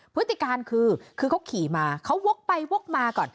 พฤติการคือคือเขาขี่มาเขาวกไปวกมาก่อน